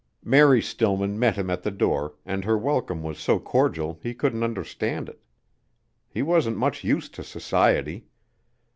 Mary Stillman met him at the door, and her welcome was so cordial he couldn't understand it. He wasn't much used to society.